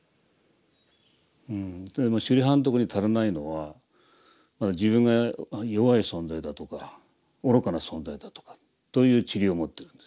周梨槃特に足らないのは自分が弱い存在だとか愚かな存在だとかという塵を持ってるんですよ。